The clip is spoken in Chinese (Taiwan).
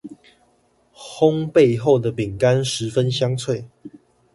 烘焙後的餅乾十分香脆